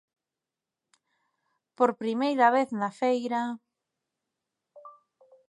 Por primeira vez na feira...